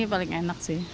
ini paling enak sih